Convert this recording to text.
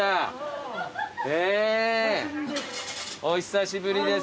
お久しぶりです。